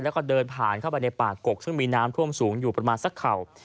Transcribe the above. แล้วก็เดินผ่านเข้าไปในป่ากกซึ่งมีน้ำท่วมสูงอยู่ประมาณสักเข่า